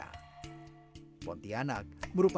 pontianak merupakan satu sumber kota yang terkenal di indonesia